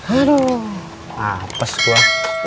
aduh apes gua